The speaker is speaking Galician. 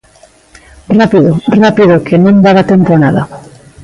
Rápido, rápido que non daba tempo a nada.